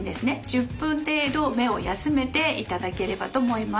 １０分程度目を休めていただければと思います。